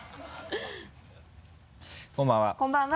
こんばんは。